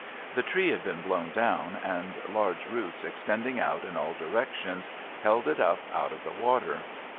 The tree had been blown down, and large roots extending out in all directions, held it up out of the water.